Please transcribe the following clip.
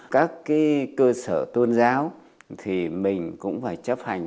các cơ sở tôn giáo thì mình cũng phải chấp hành